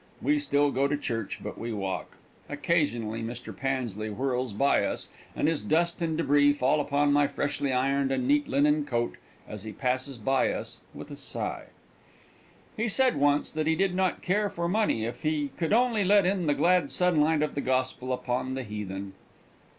We still go to church, but we walk. Occasionally Mr. Pansley whirls by us, and his dust and debris fall upon my freshly ironed and neat linen coat as he passes by us with a sigh. He said once that he did not care for money if he only could let in the glad sunlight of the gospel upon the heathen.